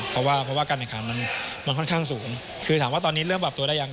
เพราะว่าการแบบการมันค่อนข้างสูงคือถามว่าตอนนี้เริ่มปรับตัวได้ยัง